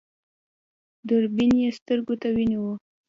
دوربين يې سترګو ته ونيو.